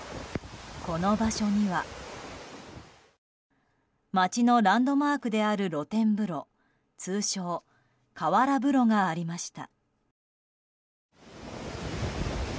この場所には町のランドマークである露天風呂通称河原風呂がありました。